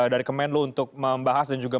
dari kemenlu untuk membahas dan juga